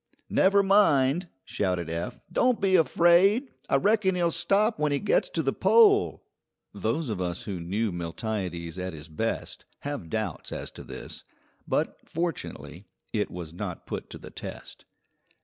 "Never mind!" shouted Eph. "Don't be afraid! I reckon he'll stop when he gets to the pole!" Those of us who knew Miltiades at his best have doubts as to this, but, fortunately, it was not put to the test.